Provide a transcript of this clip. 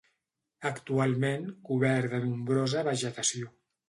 Actualment cobert de nombrosa vegetació.